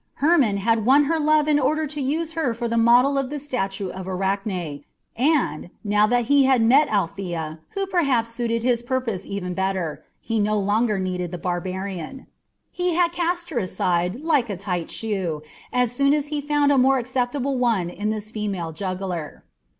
Hermon had won her love in order to use her for the model of his statue of Arachne, and, now that he had met Althea, who perhaps suited his purpose even better, he no longer needed the barbarian. He had cast her aside like a tight shoe as soon as he found a more acceptable one in this female juggler.